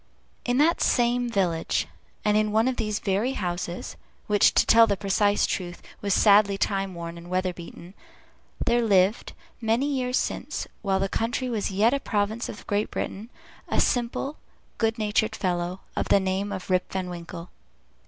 In that same village, and in one of these very houses (which, to tell the precise truth, was sadly time worn and weather beaten), there lived, many years since, while the country was yet a province of Great Britain, a simple, good natured fellow, of the name of Rip Van Winkle.